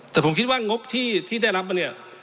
แต่ผมคิดว่างบที่ได้รับมาเนี่ย